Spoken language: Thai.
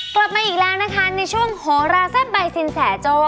กลับมาอีกแล้วนะคะในช่วงโหราแซ่บใบสินแสโจ้